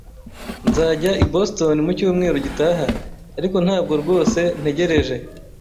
Nzajya i Boston mu cyumweru gitaha, ariko ntabwo rwose ntegereje.